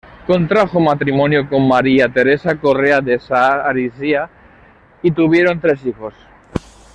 Contrajo matrimonio con "María Teresa Correa de Saa Ariztía" y tuvieron tres hijos.